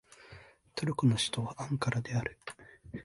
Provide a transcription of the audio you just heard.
トルコの首都はアンカラである